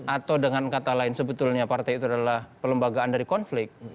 atau dengan kata lain sebetulnya partai itu adalah pelembagaan dari konflik